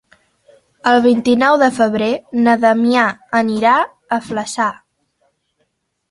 El vint-i-nou de febrer na Damià anirà a Flaçà.